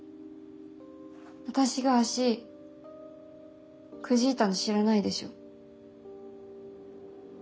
私が足くじいたの知らないでしょ？